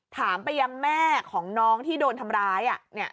ถามไปยังแม่ของน้องที่โดนทำร้าย